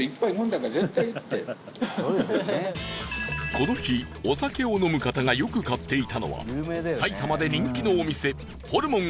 この日、お酒を飲む方がよく買っていたのは埼玉で人気のお店ホルモン